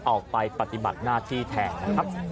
ออกไปปฏิบัติหน้าที่แทนนะครับ